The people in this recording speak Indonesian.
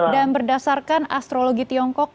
dan berdasarkan astrologi tiongkok